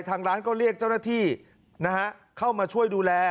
ทางร้านก็เรียกเจ้าหน้าที่เข้ามาช่วยดูแล